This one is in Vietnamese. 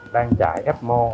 đang chạy fmo